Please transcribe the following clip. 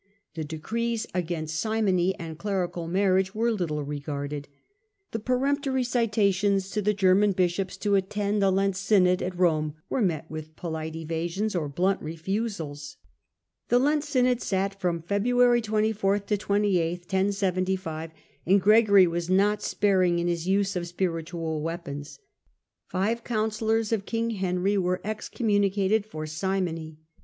The decrees against simony and clerical marriage were little regarded ; the peremptory citations to the German bishops to attend the Lent synod at Rome were met with polite evasions or blunt refusals. y — The Lent synod sat from February 24 to 28, and \ Gregory was not sparing in his use of spiritual weapons. / Five counsellors of king Henry were excommunicated / for simony.